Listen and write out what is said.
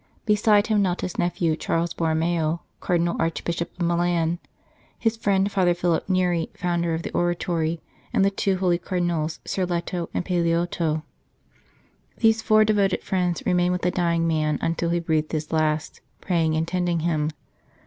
Beside him knelt his nephew, Charles Borromeo, Cardinal Arch bishop of Milan, his friend Father Philip Neri, founder of the Oratory, and the two holy Cardinals Sirletto and Paleotto. These four devoted friends remained with the dying man until he breathed his last, praying and tending him.